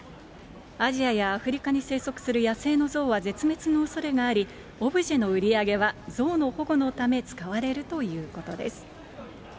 アジアやアフリカに生息する野生の象は絶滅のおそれがあり、オブジェの売り上げは、象の保護のため、使われるということです。